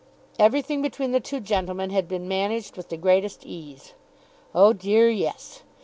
Everything between the two gentlemen had been managed with the greatest ease. Oh dear, yes!